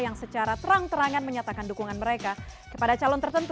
yang secara terang terangan menyatakan dukungan mereka kepada calon tertentu